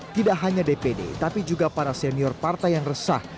tidak hanya dpd tapi juga para senior partai yang resah